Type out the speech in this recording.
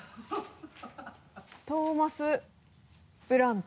トーマス・ブラント。